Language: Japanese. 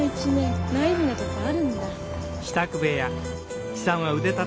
ナイーブなとこあるんだ。